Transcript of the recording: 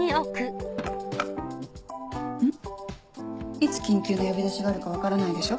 いつ緊急の呼び出しがあるか分からないでしょ？